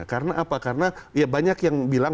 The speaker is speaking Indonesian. karena apa karena banyak yang bilang